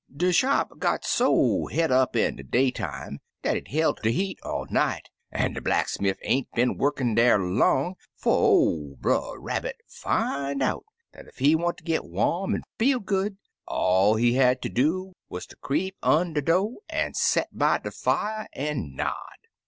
"De shop gpt so het up in de daytime dat it belt de heat all night, an' de black smiff ain't been workin' dar long 'fo' ol' Brer Rabbit fin' out dat ef he want ter git warm an' feel good all he had ter do wuz ter creep un' de do' an' set by de fier an' nod.